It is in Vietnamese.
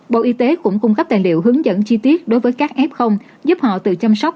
bộ y tế cũng cung cấp tài liệu hướng dẫn chi tiết đối với các f giúp họ tự chăm sóc